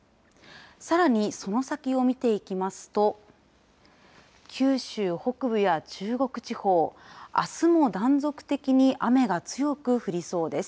さらに、その先を見ていきますと、九州北部や中国地方あすも断続的に、雨が強く降りそうです。